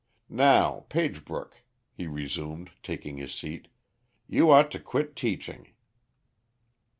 Now, Pagebrook," he resumed, taking his seat, "you ought to quit teaching."